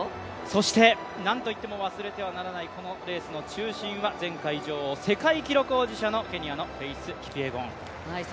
そして何といっても忘れてはならないこのレースの中心は前回女王世界記録保持者のキピエゴン。